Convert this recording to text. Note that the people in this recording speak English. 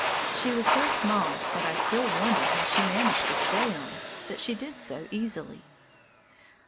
She was so small that I still wonder how she managed to stay on, but she did so easily.